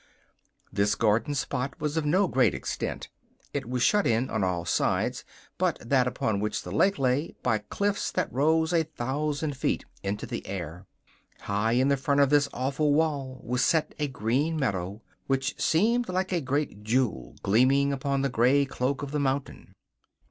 This garden spot was of no great extent: it was shut in on all sides but that upon which the lake lay by cliffs that rose a thousand feet into the air. High in the front of this awful wall was set a green meadow, which seemed like a great jewel gleaming upon the gray cloak of the mountain.